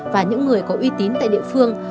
và những người có uy tín tại địa phương